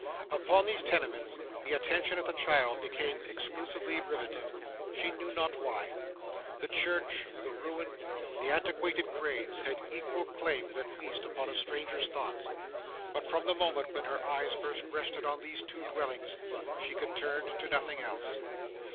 Upon these tenements, the attention of the child became exclusively riveted. She knew not why. The church, the ruin, the antiquated graves, had equal claims at least upon a stranger's thoughts, but from the moment when her eyes first rested on these two dwellings, she could turn to nothing else.